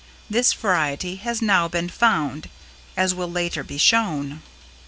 This variety has now been found, as will later be shown.